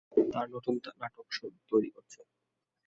তার নতুন নাটক তৈরি করছে।